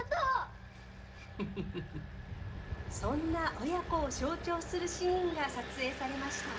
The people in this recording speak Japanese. そんな親子を象徴するシーンが撮影されました。